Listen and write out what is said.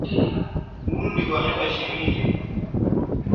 kwa sababu wachezaji bora wako ngambo wakipatikana tu